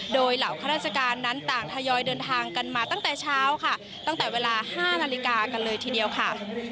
โดยเหล่าข้าราชการนั้นต่างทยอยเดินทางกันมาตั้งแต่เช้าค่ะตั้งแต่เวลา๕นาฬิกากันเลยทีเดียวค่ะ